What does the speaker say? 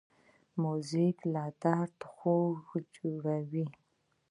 موزیک له درد خوږ جوړوي.